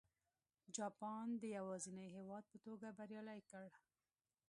جاپان د یوازیني هېواد په توګه بریالی کړ.